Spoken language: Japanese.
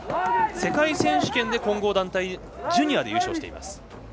世界選手権で混合団体ジュニアで優勝しています。